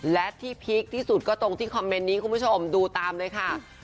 และที่พีคที่สุดก็ตรงที่คอมเมนต์นี้คุณผู้ชมดูตามเลยค่ะ